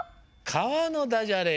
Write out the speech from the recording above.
「かわ」のダジャレ